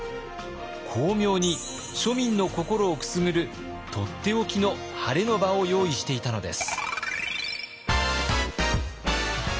巧妙に庶民の心をくすぐるとっておきのハレの場を用意していたのです。